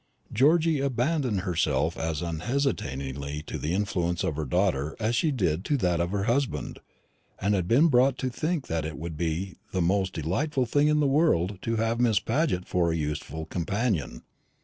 Georgy abandoned herself as unhesitatingly to the influence of her daughter as she did to that of her husband, and had been brought to think that it would be the most delightful thing in the world to have Miss Paget for a useful companion.